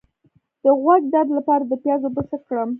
د غوږ درد لپاره د پیاز اوبه څه کړم؟